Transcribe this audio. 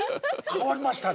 変わりましたね。